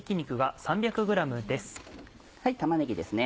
玉ねぎですね